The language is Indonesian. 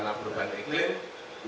anak perubahan iklim